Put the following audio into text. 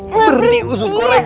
terti usus goreng